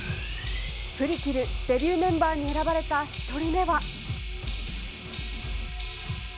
プリキル、デビューメンバーに選ばれた１人目は。